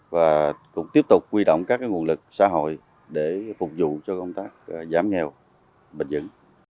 và cũng tiếp tục quy động các nguồn lực xã hội để phục vụ cho công tác giảm nghèo bình dững